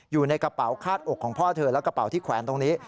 อยู่ในกระเป๋าคาดอกของพ่อเธอและกระเป๋าที่แขวนตรงนี้